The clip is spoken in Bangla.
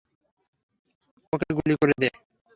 ওকে গুলি করে দে।